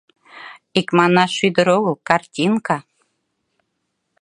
Икманаш, ӱдыр огыл — картинка.